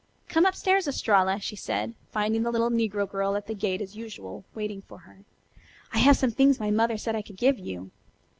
"Come up stairs, Estralla," she said, finding the little negro girl at the gate as usual waiting for her. "I have some things my mother said I could give you."